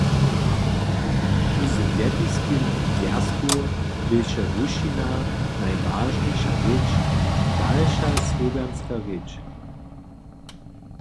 W Sowjetskim zwjazku běše rušćina najwažniša rěč, dalša słowakska rěč.